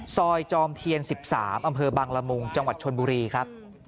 จอมเทียน๑๓อำเภอบังละมุงจังหวัดชนบุรีครับ